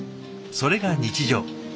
それが日常。